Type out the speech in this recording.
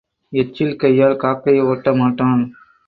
எச்சில் கையால் காக்கை ஓட்டமாட்டான்.